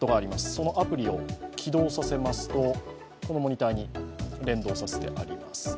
そのアプリを起動させますとこのモニターに連動させてあります。